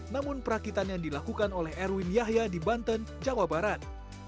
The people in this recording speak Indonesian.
namun perakitan yang dilakukan oleh erwin yahya di banten jawa barat